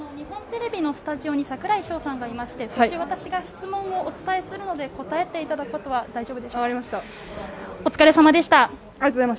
日本テレビのスタジオに櫻井翔さんがいまして、私が質問をお伝えするので答えていただく分かりました。